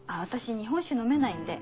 日本酒飲めないんで。